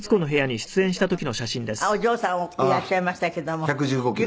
次女のお嬢さんいらっしゃいましたけども。